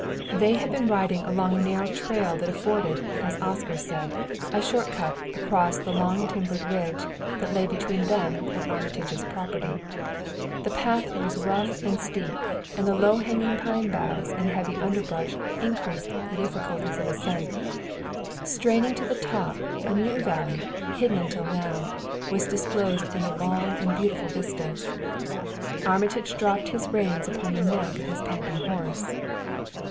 They had been riding along a narrow trail that afforded, as Oscar said, a short cut across a long timbered ridge that lay between them and Armitage's property. The path was rough and steep, and the low hanging pine boughs and heavy underbrush increased the difficulties of ascent. Straining to the top, a new valley, hidden until now, was disclosed in long and beautiful vistas. Armitage dropped the reins upon the neck of his panting horse.